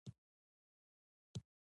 د شلګر د نوم اصل او ریښه: